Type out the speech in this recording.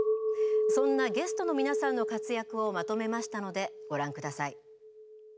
そんなゲストの皆さんの活躍をまとめましたのでご覧ください。